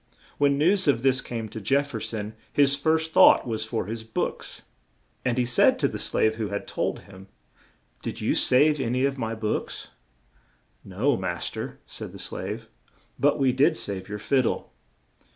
When news of this came to Jef fer son, his first thought was for his books, and he said to the slave who had told him: "Did you save an y of my books?" "No, mas ter," said the slave, "but we did save your fid dle."